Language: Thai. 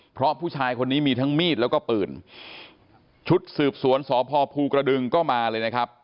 เพราะผู้ชายคนนี้มีทั้งมีดแล้วก็ปืนชุดสืบสวนสพภูกระดึงก็มาเลยนะครับ